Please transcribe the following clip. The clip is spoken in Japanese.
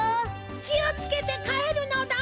きをつけてかえるのだ！